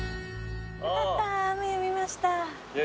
よかった雨やみました。